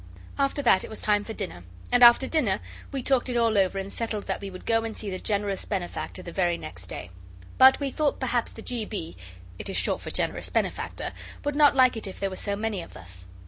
After that it was time for dinner, and after dinner we talked it all over and settled that we would go and see the Generous Benefactor the very next day. But we thought perhaps the G. B. it is short for Generous Benefactor would not like it if there were so many of us.